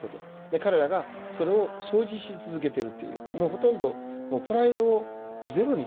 彼らがそれを掃除し続けているっていうもうほとんどプライドをゼロにされてるわけですよ。